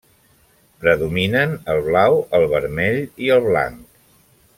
Predominen el blau, el vermell i el blanc.